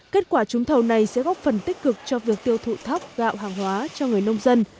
kết quả trúng thầu này sẽ góp phần tích cực cho việc tiêu thụ thóc gạo hàng hóa cho người nông dân